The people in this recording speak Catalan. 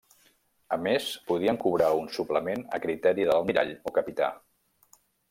A més podien cobrar un suplement a criteri de l’almirall o capità.